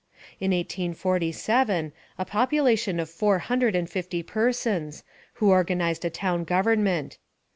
In 1847, a population of four hundred and fifty persons, who organized a town government.